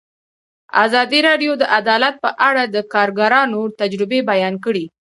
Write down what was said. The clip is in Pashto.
ازادي راډیو د عدالت په اړه د کارګرانو تجربې بیان کړي.